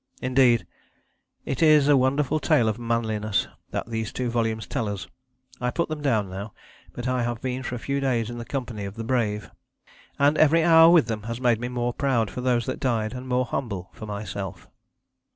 Indeed, it is a wonderful tale of manliness that these two volumes tell us. I put them down now; but I have been for a few days in the company of the brave ... and every hour with them has made me more proud for those that died and more humble for myself."